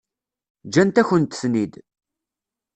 Ǧǧant-akent-ten-id.